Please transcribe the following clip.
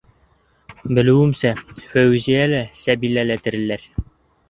Белеүемсә, Фәүзиә лә, Сәбилә лә тереләр...